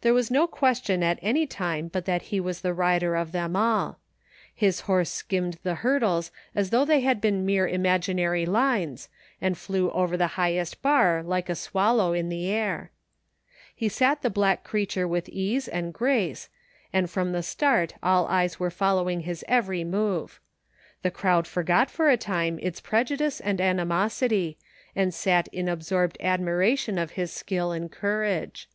There was no question at any time but that he was the rider of them all. His horse skimmed the hurdles as though they had been mete imaginary lines, and flew over the highest bar like a swallow in the air. 223 THE FINDING OF JASPER HOLT He sat the black creature with ease and grace, and from the start all eyes were following his every move. The crowd forgot for the time its prejudice and ani niositv, and sat in absorbed admiration of his skill and courage.